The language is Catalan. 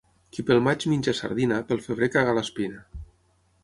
Qui pel maig menja sardina, pel febrer caga l'espina.